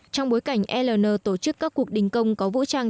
trong bối cảnh ln tổ chức các cuộc đình công có vũ trang